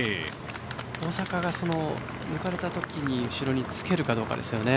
大阪が抜かれた時に後ろにつけるかどうかですよね。